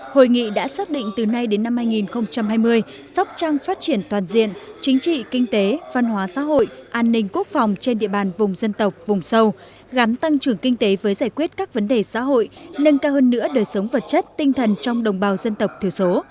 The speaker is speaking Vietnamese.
hội nghị đã xác định từ nay đến năm hai nghìn hai mươi sóc trăng phát triển toàn diện chính trị kinh tế văn hóa xã hội an ninh quốc phòng trên địa bàn vùng dân tộc vùng sâu gắn tăng trưởng kinh tế với giải quyết các vấn đề xã hội nâng cao hơn nữa đời sống vật chất tinh thần trong đồng bào dân tộc thiểu số